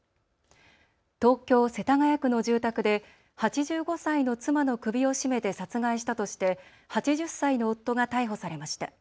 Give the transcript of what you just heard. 東京世田谷区の住宅で８５歳の妻の首を絞めて殺害したとして８０歳の夫が逮捕されました。